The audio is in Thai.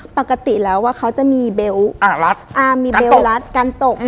ปกติแล้วว่าเขาจะมีเบลล์มีเบลล์รัดกันตก